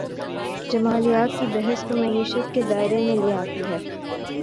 جمالیات کی بحث کو معیشت کے دائرے میں لے آتی ہے۔